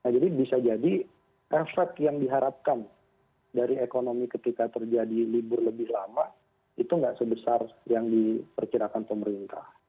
jadi bisa jadi efek yang diharapkan dari ekonomi ketika terjadi libur lebih lama itu nggak sebesar yang diperkirakan pemerintah